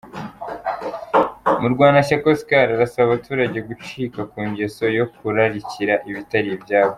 Murwanashyaka Oscar arasaba abaturage gucika ku ngeso yo kurarikira ibitari ibyabo.